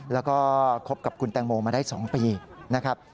แล้วก็คบกับคุณแตงโมมาได้๒ปีนะครับ